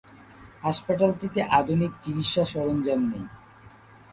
হাসপাতালটিতে আধুনিক চিকিৎসা সরঞ্জাম নেই।